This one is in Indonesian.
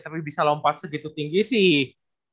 tapi bisa lompat segitu tinggi sih